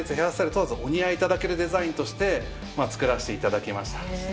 問わずお似合い頂けるデザインとして作らせて頂きました。